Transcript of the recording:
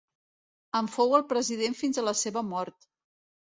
En fou el president fins a la seva mort.